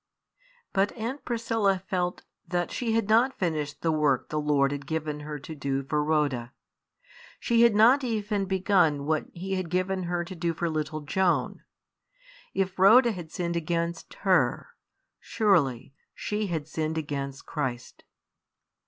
But Aunt Priscilla felt that she had not finished the work the Lord had given her to do for Rhoda; she had not even begun what He had given her to do for little Joan. If Rhoda had sinned against her, surely she had sinned against Christ.